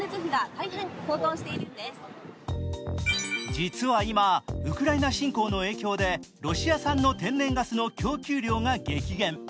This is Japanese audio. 実は今、ウクライナ侵攻の影響でロシア産の天然ガスの供給量が激減。